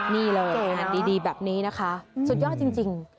นี่เลยงานดีแบบนี้นะคะสุดยอดจริง